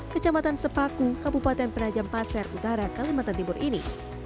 kecamatan sepaku kabupaten penajam pasir utara kalimantan timur ini